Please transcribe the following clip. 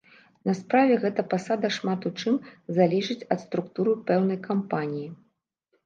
На справе гэта пасада шмат у чым залежыць ад структуры пэўнай кампаніі.